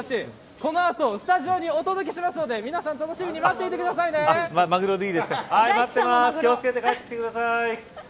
この後、スタジオにお届けしますので皆さん、楽しみに気をつけて帰ってきてください。